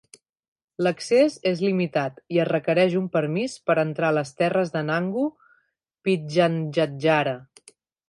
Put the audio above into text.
L'accés és limitat i es requereix un permís per entrar a les terres d'Anangu Pitjantjatjara.